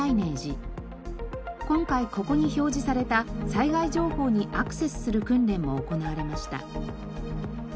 今回ここに表示された災害情報にアクセスする訓練も行われました。